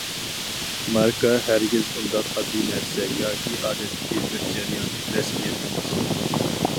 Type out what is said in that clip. ماركا ھەرگىز ئۇنداق ئاددىي نەرسە ياكى ئادەتتىكى بىر جەريان، رەسمىيەت ئەمەس.